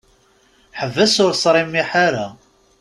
Ḥbes ur sṛimiḥ ara!